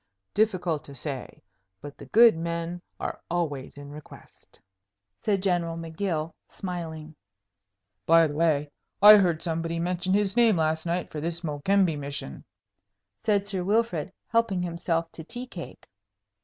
"Difficult to say. But the good men are always in request," said General M'Gill, smiling. "By the way, I heard somebody mention his name last night for this Mokembe mission," said Sir Wilfrid, helping himself to tea cake.